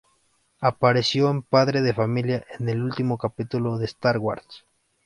Apareció en Padre de Familia en el último capítulo de Star Wars.